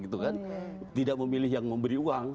tidak memilih yang memberi uang